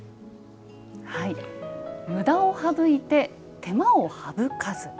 「ムダを省いて手間を省かず」。